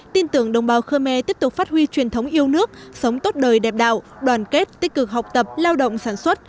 tin tưởng đồng bào khơ me tiếp tục phát huy truyền thống yêu nước sống tốt đời đẹp đạo đoàn kết tích cực học tập lao động sản xuất